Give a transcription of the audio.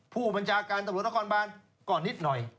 ผู้บัญชาการตำรวจร้างกอนบารก่อนนิดหน่อย